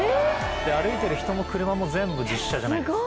歩いてる人も車も全部実写じゃないです。